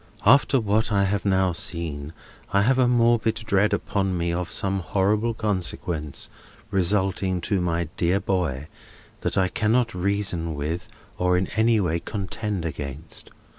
—After what I have just now seen, I have a morbid dread upon me of some horrible consequences resulting to my dear boy, that I cannot reason with or in any way contend against.